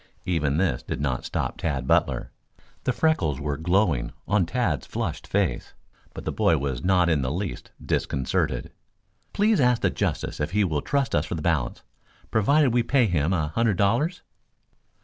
Even this did not stop Tad Butler. The freckles were glowing on Tad's flushed face, but the boy was not in the least disconcerted. "Please ask the justice if he will trust us for the balance, provided we pay him a hundred dollars?"